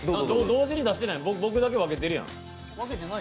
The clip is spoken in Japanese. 同時に出してない、僕だけ分けてるやん。